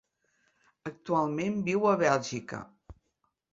Actualment viu a Bèlgica.